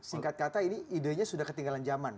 singkat kata ini idenya sudah ketinggalan zaman